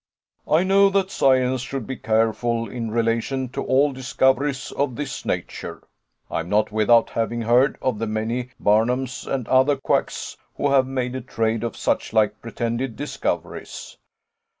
I know that science should be careful in relation to all discoveries of this nature. I am not without having heard of the many Barnums and other quacks who have made a trade of suchlike pretended discoveries.